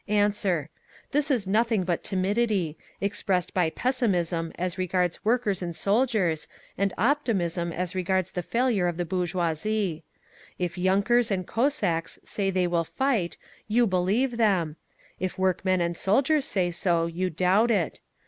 "Answer: This is nothing but timidity, expressed by pessimism as regards workers and soldiers, and optimism as regards the failure of the bourgeoisie. If yunkers and Cossacks say they will fight, you believe them; if workmen and soldiers say so, you doubt it.